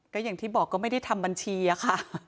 ก็อย่างที่บอกก็ไม่ได้ทำบัญชีอะค่ะ